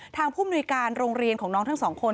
ทางภูมิหน่วยการโรงเรียนของน้องทั้ง๒คน